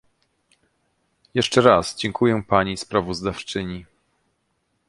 Jeszcze raz dziękuję pani sprawozdawczyni